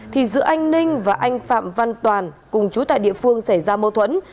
thì giữa anh ninh và anh phạm văn toàn cùng chú tại địa phương xảy ra mâu thuẫn